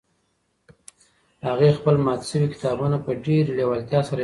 هغې خپل مات شوي کتابونه په ډېرې لېوالتیا سره یو ځای کړل.